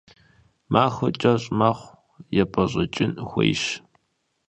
Махуэр кӏэщӏ мэхъу, епӏэщӏэкӏын хуейщ.